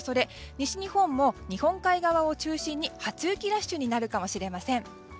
西日本も日本海側を中心に初雪ラッシュになるかもしれません。